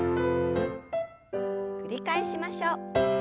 繰り返しましょう。